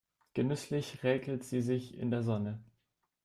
Genüsslich räkelt sie sich in der Sonne.